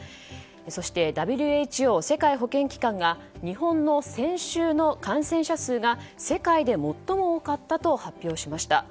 そしてＷＨＯ・世界保健機関が日本の先週の感染者数が世界で最も多かったと発表しました。